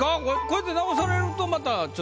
こうやって直されるとまたちょっとね。